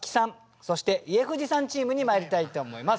そして家藤さんチームにまいりたいと思います。